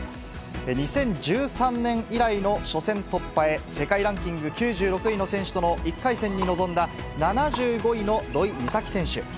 ２０１３年以来の初戦突破へ、世界ランキング９６位の選手との１回戦に臨んだ、７５位の土居美咲選手。